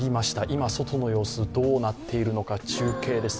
今、外の様子どうなっているのか中継です。